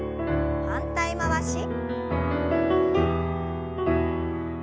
反対回し。